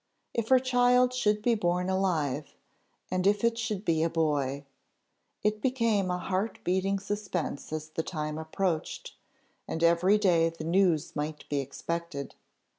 If her child should be born alive, and if it should be a boy! It became a heart beating suspense as the time approached, and every day the news might be expected.